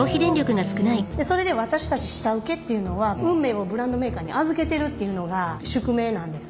それで私たち下請けっていうのは運命をブランドメーカーに預けてるっていうのが宿命なんですね。